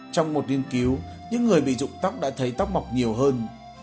trong một nghiên cứu những người bị dụng tóc đã thấy tóc mọc nhiều hơn